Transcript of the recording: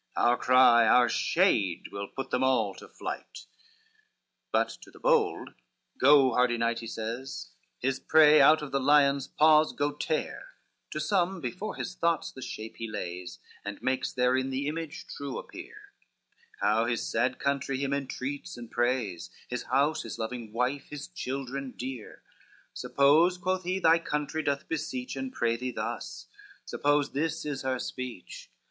Our cry, our shade, will put them all to flight." XXV But to the bold, "Go, hardy knight," he says, "His prey out of this lion's paws go tear:" To some before his thoughts the shape he lays, And makes therein the image true appear, How his sad country him entreats and prays, His house, his loving wife, and children dear: "Suppose," quoth he, "thy country doth beseech And pray thee thus, suppose this is her speech.